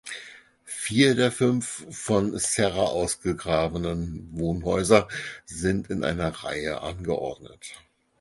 Vier der fünf von Serra ausgegrabenen Wohnhäuser sind in einer Reihe angeordnet.